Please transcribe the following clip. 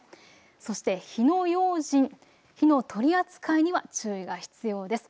そして火の用心、火の取り扱いには注意が必要です。